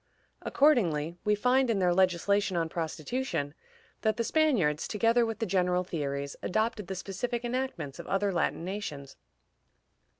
Accordingly, we find, in their legislation on prostitution, that the Spaniards, together with the general theories, adopted the specific enactments of other Latin nations.